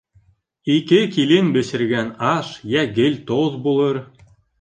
Ике килен бешергән аш йә гел тоҙ булыр